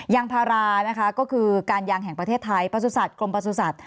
ยางพารานะคะก็คือการยางแห่งประเทศไทยประสุทธิ์กรมประสุทธิ